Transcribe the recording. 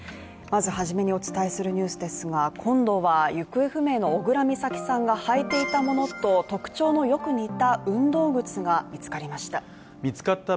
まずはじめにお伝えするニュースですが今度は行方不明の小倉美咲さんが履いていたものと特徴のよく似た運動靴が見つかりました